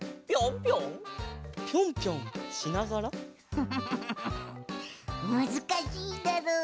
フフフフフフむずかしいだろう。